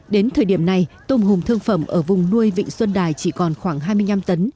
đến thời điểm này tôm hùm thương phẩm ở vùng nuôi vịnh xuân đài chỉ còn khoảng hai mươi năm tấn